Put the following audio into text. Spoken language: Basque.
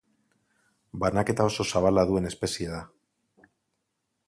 Banaketa oso zabala duen espeziea da.